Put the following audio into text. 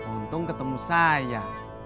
untung ketemu saya